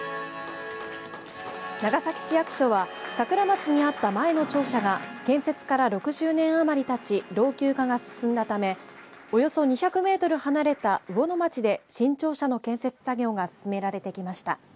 長崎市役所は桜町にあった前の庁舎が建設から６０年余りたち老朽化が進んだためおよそ２００メートル離れた魚の町で新庁舎の建設作業が進められてきました。